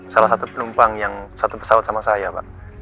salah satu penumpang yang satu pesawat sama saya pak